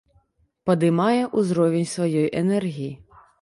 Падымае ўзровень сваёй энергіі.